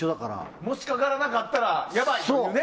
もし、かからなかったらやばいというね。